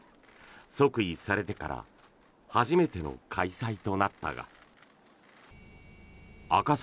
即位されてから初めての開催となったが赤坂